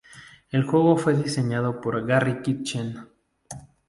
El juego fue diseñado por Garry Kitchen.